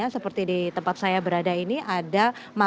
terima kasih wida